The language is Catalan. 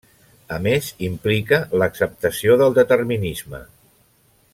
A més, implica l'acceptació del determinisme.